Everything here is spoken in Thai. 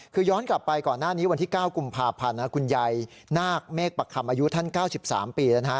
คือย้อนกลับไปก่อนหน้านี้วันที่๙กุมภาพันธ์คุณยายนาคเมฆประคำอายุท่าน๙๓ปีแล้วนะฮะ